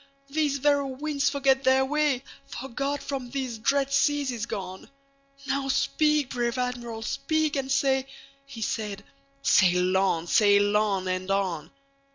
These very winds forget their way, For God from these dread seas is gone. Now speak, brave Admiral, speak and say"—He said: "Sail on! sail on! and on!"